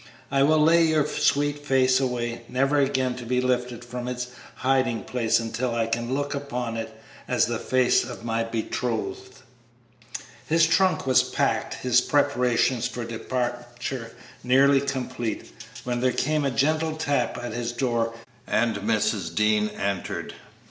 I will lay your sweet face away, never again to be lifted from its hiding place until I can look upon it as the face of my betrothed." His trunk was packed, his preparations for departure nearly complete, when there came a gentle tap at his door, and Mrs. Dean entered.